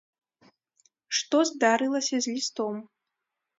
Што здарылася з лістом.